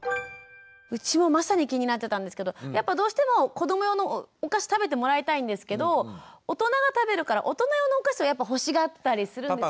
うちもまさに気になってたんですけどやっぱどうしても子ども用のお菓子食べてもらいたいんですけど大人が食べるから大人用のお菓子を欲しがったりするんですよ。